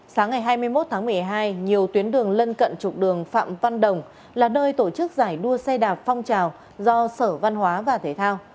sáng ngày hai mươi một tháng một mươi hai nhiều tuyến đường lân cận trục đường phạm văn đồng là nơi tổ chức giải đua xe đạp phong trào do sở văn hóa và thể thao